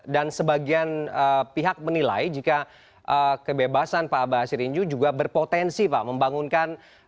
dan sebagian pihak menilai jika kebebasan pak bahasyir inju juga berpotensi pak membangunkan